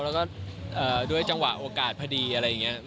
แล้วก็ด้วยจังหวะโอกาสพอดีอะไรอย่างนี้